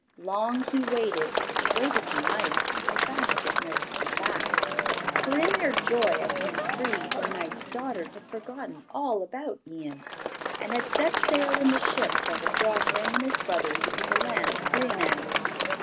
Long he waited, but wait as he might, the basket never came back, for in their joy at being free the knight's daughters had forgotten all about Ian, and had set sail in the ship that had brought him and his brothers to the land of Grianaig.